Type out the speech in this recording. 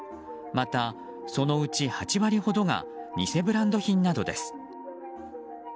また、そのうち８割ほどが偽ブランド品などです。